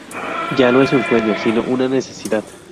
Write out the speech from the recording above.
Ya no es un sueño, sino una necesidad.